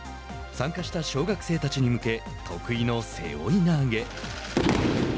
参加した小学生たちに向け得意の背負い投げ。